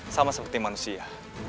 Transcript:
sama seperti manusia